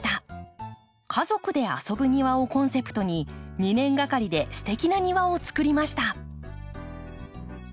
「家族で遊ぶ庭」をコンセプトに２年がかりですてきな庭をつくりました。